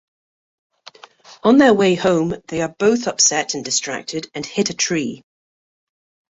On their way home, they are both upset and distracted and hit a tree.